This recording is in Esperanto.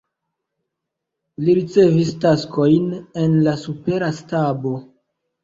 Li ricevis taskojn en la supera stabo.